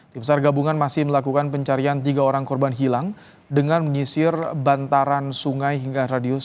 tim sar gabungan masih melakukan pencarian tiga orang korban hilang dengan menyisir bantaran sungai hingga radius